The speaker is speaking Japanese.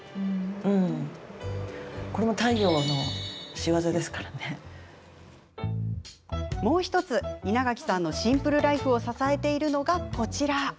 そうするともう１つ稲垣さんのシンプルライフを支えているのが、こちら。